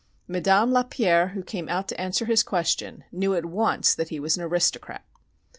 Madame Lapierre, who came out to answer his question, knew at once that he was an aristocrat.